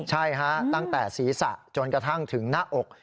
ใช่ฮะตั้งแต่ศีรษะจนกระทั่งถึงหน้าอก